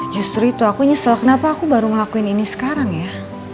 justru itu aku nyesel kenapa aku baru ngelakuin ini sekarang ya